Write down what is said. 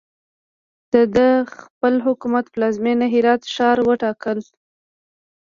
ده د خپل حکومت پلازمینه هرات ښار وټاکله.